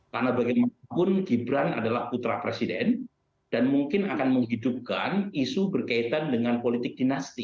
karena bagaimanapun gibran adalah putra presiden dan mungkin akan menghidupkan isu berkaitan dengan politik dinasti